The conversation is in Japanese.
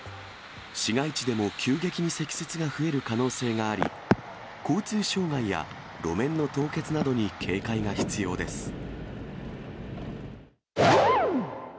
市街地でも急激に積雪が増える可能性があり、交通障害や路面の凍結などに警戒が必要です。